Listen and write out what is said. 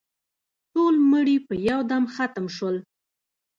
ټول مړي په یو دم ختم شول.